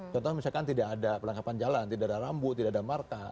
contoh misalkan tidak ada perlengkapan jalan tidak ada rambut tidak ada masalah